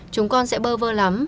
chúng con sẽ bơ vơ lắm